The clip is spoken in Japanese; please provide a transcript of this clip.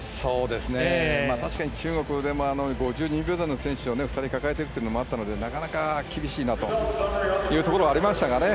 確かに中国は５２秒台の選手を２人、抱えているというのもあったのでなかなか厳しいなというところはありましたかね。